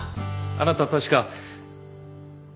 あなた確か。